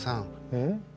うん？